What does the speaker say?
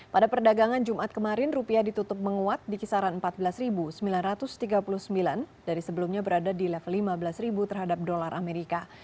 pada perdagangan jumat kemarin rupiah ditutup menguat di kisaran empat belas sembilan ratus tiga puluh sembilan dari sebelumnya berada di level lima belas terhadap dolar amerika